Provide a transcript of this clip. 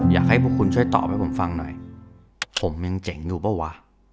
อยากให้พวกคุณช่วยตอบให้ผมฟังหน่อยผมยังเจ๋งอยู่เปล่าวะ